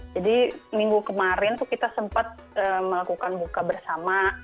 jadi minggu kemarin tuh kita sempat melakukan buka bersama